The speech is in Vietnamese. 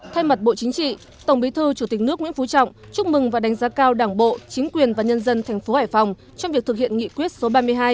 thay mặt bộ chính trị tổng bí thư chủ tịch nước nguyễn phú trọng chúc mừng và đánh giá cao đảng bộ chính quyền và nhân dân thành phố hải phòng trong việc thực hiện nghị quyết số ba mươi hai